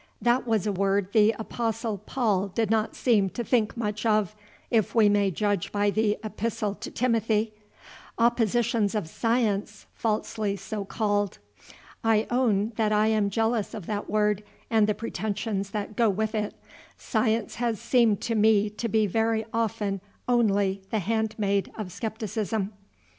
that was a word the Apostle Paul did not seem to think much of, if we may judge by the Epistle to Timothy: 'Oppositions of science falsely so called.' I own that I am jealous of that word and the pretensions that go with it. Science has seemed to me to be very often only the handmaid of skepticism."